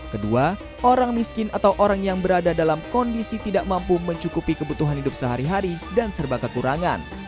kedua orang miskin atau orang yang berada dalam kondisi tidak mampu mencukupi kebutuhan hidup sehari hari dan serba kekurangan